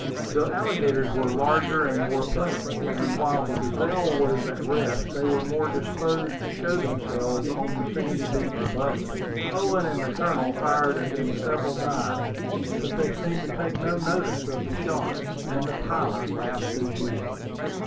The alligators were larger and more plentiful, and while the Gazelle was at rest they were more disposed to show themselves on the sandy beach above us. Owen and the Colonel fired at them several times; but they seemed to take no notice of the shots, and the pilot laughed as usual.